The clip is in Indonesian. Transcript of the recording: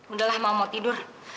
udah lah mama mau tidur